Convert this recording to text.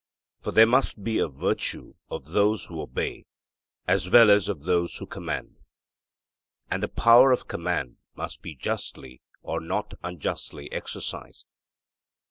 For there must be a virtue of those who obey, as well as of those who command; and the power of command must be justly or not unjustly exercised.